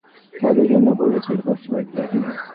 কিন্তু তাহাদের জন্য অপর বেচারীরা কষ্ট পাইতে পারে না।